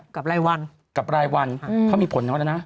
กับรายวันกับรายวันเขามีผลน้อยแล้วนะ